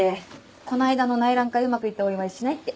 この間の内覧会うまくいったお祝いしない？って。